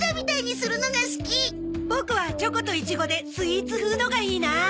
ボクはチョコとイチゴでスイーツ風のがいいな。